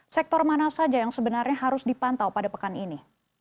sektor mana saja yang sebenarnya harus dipantau pada pekan ini